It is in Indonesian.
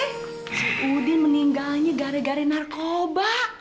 si udin meninggalnya gara gara narkoba